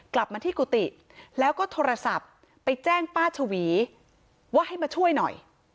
กลับมาที่กุฏิแล้วก็โทรศัพท์ไปแจ้งป้าชวีว่าให้มาช่วยหน่อย